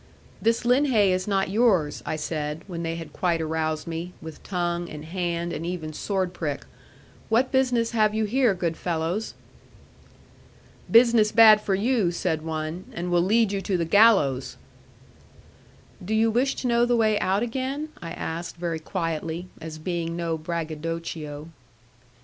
'This linhay is not yours,' I said, when they had quite aroused me, with tongue, and hand, and even sword prick: 'what business have you here, good fellows?' 'Business bad for you,' said one, 'and will lead you to the gallows.' 'Do you wish to know the way out again?' I asked, very quietly, as being no braggadocio.